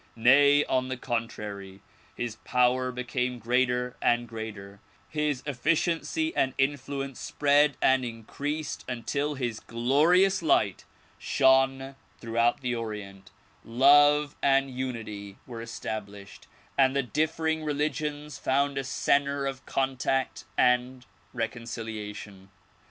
Nay, on the contrary his power became greater and greater, his efficiency and influence spread and increased until his glorious light shone throughout the Orient, love and unity were established and the differing religions found a center of contact and reconciliation.